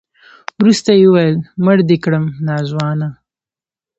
وروسته يې وويل مړ دې کړم ناځوانه.